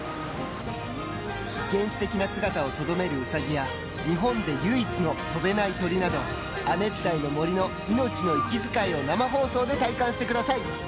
原始的な姿をとどめるうさぎや日本で唯一の飛べない鳥など亜熱帯の森の命の息遣いを生放送で体感してください。